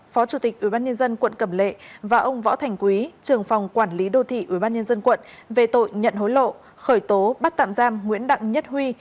phó chủ tịch ubnd quận cẩm lệ và ông võ thành quý trường phòng quản lý đô thị ubnd quận về tội nhận hối lộ khởi tố bắt tạm giam nguyễn đặng nhất huy